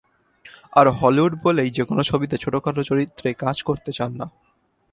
আর Hollywood বলেই যেকোনো ছবিতে ছোটখাটো চরিত্রে কাজ করতে চান না।